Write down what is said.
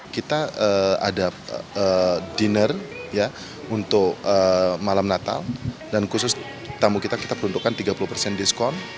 kita ada dinner untuk malam natal dan khusus tamu kita kita peruntukkan tiga puluh persen diskon